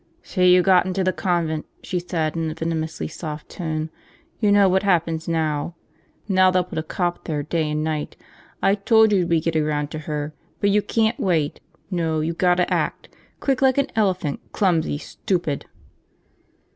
"So you got into the convent," she said in a venomously soft tone. "You know what happens now? Now they'll put a cop there day and night. I told you we'd get around to her, but you can't wait! No, you gotta act, quick like an elephant, clumsy, stupid